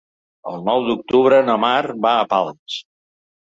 El nou d'octubre na Mar va a Pals.